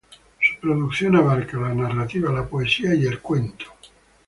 Su producción abarca la narrativa, la poesía o el cuento.